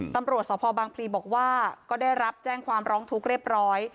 ตำรวจสพบางพลีบอกว่าก็ได้รับแจ้งความร้องทุกข์เรียบร้อย